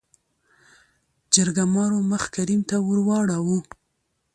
جرګمارو مخ کريم ته ورواړو .